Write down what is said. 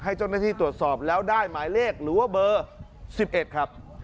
ให้เจ้าหน้าที่ตรวจสอบแล้วได้หมายเลขหรือว่าเบอร์๑๑ครับ